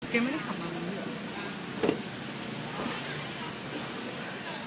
แกไม่ได้ขับมาเหมือนกันเหรอ